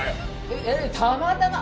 えったまたま。